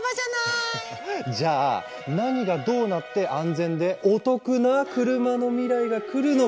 じゃあ何がどうなって安全でお得な車の未来が来るのか。